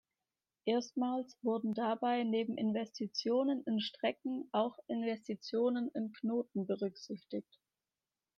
Erstmals wurden dabei neben Investitionen in Strecken auch Investitionen in Knoten berücksichtigt.